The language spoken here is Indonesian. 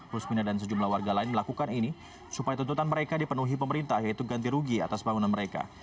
rusmina dan sejumlah warga lain melakukan ini supaya tuntutan mereka dipenuhi pemerintah yaitu ganti rugi atas bangunan mereka